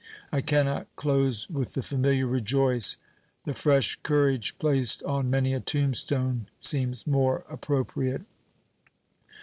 I cannot close with the familiar 'Rejoice' the 'Fresh Courage' placed on many a tombstone seems more appropriate.